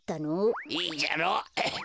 いいじゃろう。